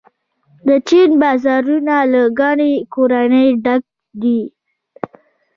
د چین بازارونه له ګڼې ګوڼې ډک دي.